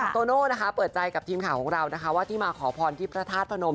โตโน่นะคะเปิดใจกับทีมข่าวของเรานะคะว่าที่มาขอพรที่พระธาตุพนม